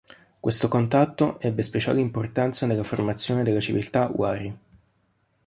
Questo contatto ebbe speciale importanza nella formazione della civiltà Huari.